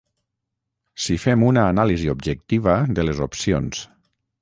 si fem una anàlisi objectiva de les opcions